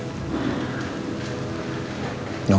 menjaga mama dengan sangat baik